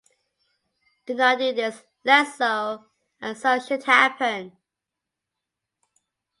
Do not do this, lest so and so should happen.